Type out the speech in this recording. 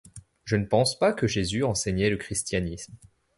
Je ne pense pas que Jésus enseignait le christianisme.